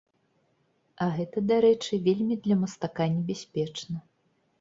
А гэта, дарэчы, вельмі для мастака небяспечна.